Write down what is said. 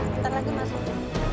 bentar lagi masuk